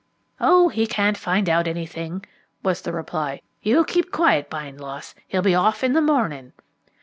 "Oh, he can't find out anything," was the reply. "You keep quiet, Bindloss; he'll be off in the morning."